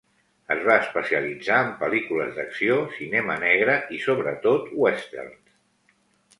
Es va especialitzar en pel·lícules d'acció, cinema negre i sobretot westerns.